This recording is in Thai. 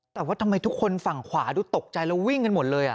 แต่ว่าทำไมทุกคนฝั่งขวาดูตกใจแล้ววิ่งกันหมดเลย